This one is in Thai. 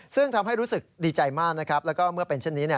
ซึ่งทำให้รู้สึกดีใจมากนะครับแล้วก็เมื่อเป็นเช่นนี้